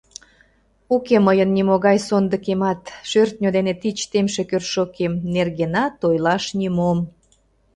— Уке мыйын нимогай сондыкемат, шӧртньӧ дене тич темше кӧршӧкем нергенат ойлаш нимом.